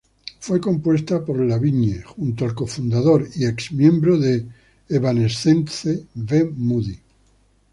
Fue compuesta por Lavigne junto al co-fundador y ex miembro de Evanescence, Ben Moody.